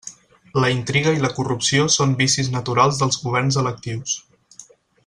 La intriga i la corrupció són vicis naturals dels governs electius.